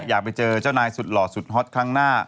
อยากไปเจอเจ้านายสุดหล่อสุดฮอตครั้งหน้า